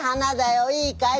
いいかい？